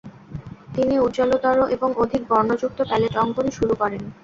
তিনি উজ্জ্বলতর এবং অধিক বর্ণযুক্ত প্যালেট অঙ্কন শুরু করেন।